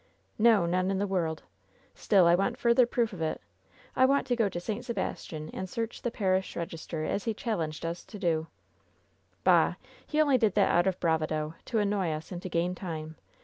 "No, none in the world. Still I want further proof of it. I want to go to St. Sebastian and search the parish register, as he challenged us to do I "Bah ! He only did that out of bravado, to annoy us and to gain time.